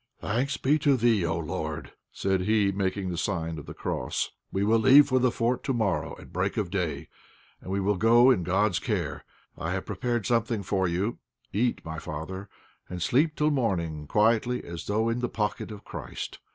"Thanks be to Thee, O Lord!" said he, making the sign of the cross. "We will leave the fort to morrow at break of day and we will go in God's care. I have prepared something for you; eat, my father, and sleep till morning quietly, as though in the pocket of Christ!"